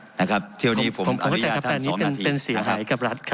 ผมเข้าใจครับแต่นี้เป็นเสียหายกับรัฐครับ